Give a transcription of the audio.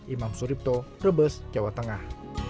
imam suripto brebes jawa tengah